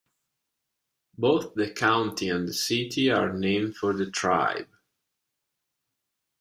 Both the county and city are named for the tribe.